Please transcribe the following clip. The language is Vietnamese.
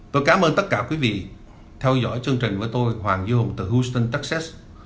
tôi cảm ơn tất cả quý vị theo dõi chương trình với tôi hoàng duy hùng từ houston texas